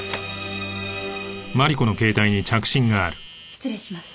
失礼します。